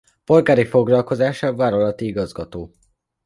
Polgári foglalkozása vállalati igazgató.